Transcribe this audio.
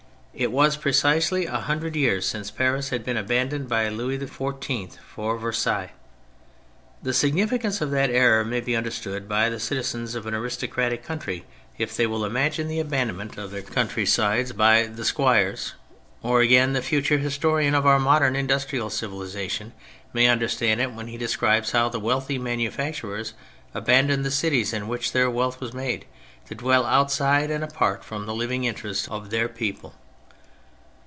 It was precisely a hundred years since Paris had been abandoned by Louis XIV for Versailles. The significance of that error may be understood by the citizens of an aristocratic country if they will imagine the abandonment of their country THE PHASES 101 sides by the squires, or, again, the future historian of our modern industrial civih'sation may understand it when he describes how the wealthy manufacturers abandoned the cities in which their wealth was made, to dwell outside and apart from the living interests of their people.